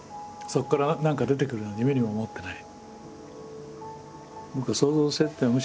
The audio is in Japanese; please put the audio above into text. そこから何か出てくるなんて夢にも思ってない。